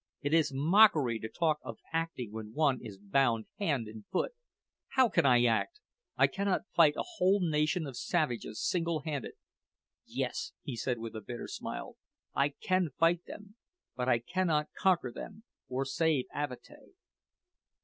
"It is mockery to talk of acting when one is bound hand and foot. How can I act? I cannot fight a whole nation of savages single handed. Yes," he said with a bitter smile, "I can fight them; but I cannot conquer them, or save Avatea."